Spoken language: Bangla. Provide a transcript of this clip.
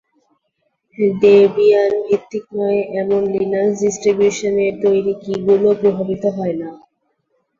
ডেবিয়ান-ভিত্তিক নয় এমন লিনাক্স ডিস্ট্রিবিউশনের তৈরি কীগুলোও প্রভাবিত হয় না।